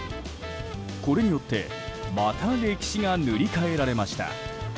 これによってまた歴史が塗り替えられました。